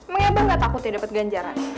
mengapa gak takutnya dapet ganjaran